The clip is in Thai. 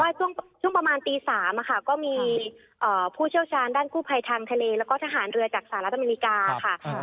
ช่วงประมาณตี๓ก็มีผู้เชี่ยวชาญด้านกู้ภัยทางทะเลแล้วก็ทหารเรือจากสหรัฐอเมริกาค่ะ